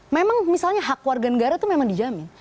memang misalnya hak warga negara itu memang dijamin